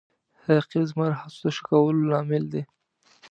رقیب زما د هڅو د ښه کولو لامل دی